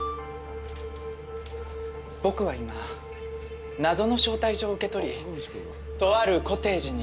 僕は今謎の招待状を受け取りとあるコテージに来ています。